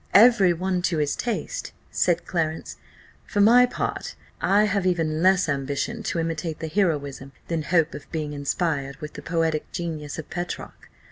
"Every one to his taste," said Clarence; "for my part I have even less ambition to imitate the heroism than hope of being inspired with the poetic genius of Petrarch.